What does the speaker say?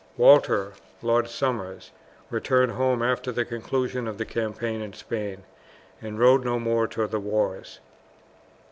Walter, Lord Somers, returned home after the conclusion of the campaign in Spain, and rode no more to the wars.